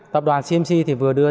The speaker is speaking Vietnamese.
tập đoàn cmc thì vừa đưa ra